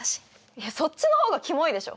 いやそっちの方がキモいでしょ！